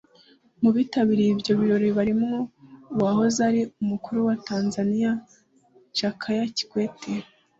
Mu bitabiriye ibyo birori barimo uwahoze ari umukuru wa Tanzania Jakaya Kikwete